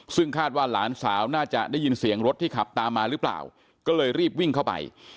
ซึ่งคาดว่าหลานสาวน่าจะได้ยินเสียงรถที่ขับตามมาหรือเปล่าก็เลยรีบวิ่งเข้าไป